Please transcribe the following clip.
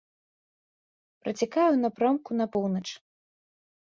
Працякае ў напрамку на поўнач.